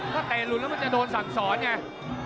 ถ้าเตะหลุดแล้วมันจะโดนสั่งสอนไง